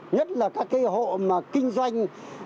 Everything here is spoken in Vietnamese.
nhất là các hộ kinh doanh